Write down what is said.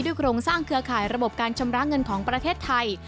โครงสร้างเครือข่ายระบบการชำระเงินของประเทศไทย